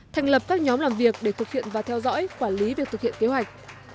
thành lập các nhóm làm việc để thực hiện và theo dõi quản lý việc thực hiện kế hoạch